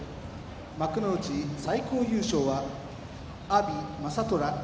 幕内最高優勝は阿炎政虎。